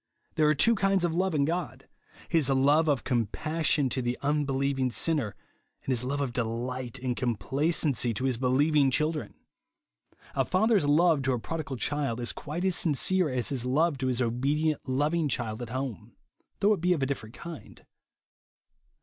There are two kinds of love in God, — his love of compassion to the unbelieving sin ner, and his love of delight and com placency to his believing children. A father s love to a prodigal child is quite Jis 1*78 JESUS ONLY. sincere as his love to his obeJient, loving child at home ; though it be of a different kind.